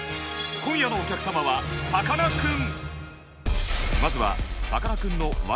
今夜のお客様はさかなクン。